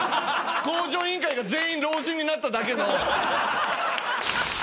『向上委員会』が全員老人になっただけの。